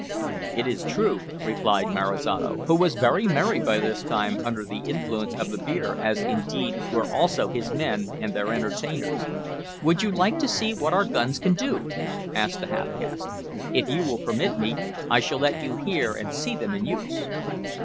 "It is true," replied Marizano, who was very merry by this time under the influence of the beer, as, indeed, were also his men and their entertainers. "Would you like to see what our guns can do?" asked the half caste. "If you will permit me, I shall let you hear and see them in use."